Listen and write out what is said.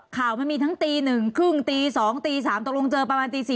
ข่าวมันมีทั้งตี๑๓๐ตี๒ตี๓ตกลงเจอประมาณตี๔